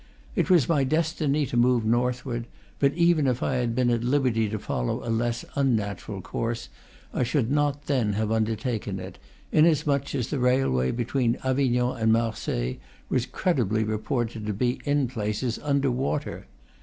It was my destiny to move northward; but even if I had been at liberty to follow a less un natural course I should not then have undertaken it, inasmuch, as the railway between Avignon and Mar seilles was credibly reported to be (in places) under water.